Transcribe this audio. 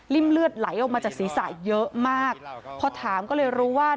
เลือดไหลออกมาจากศีรษะเยอะมากพอถามก็เลยรู้ว่า